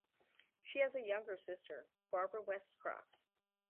She has a younger sister, Barbara West Cross.